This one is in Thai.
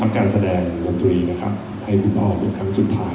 ธรรมแรงมันให้ครับ